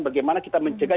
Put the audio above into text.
bagaimana kita mencegah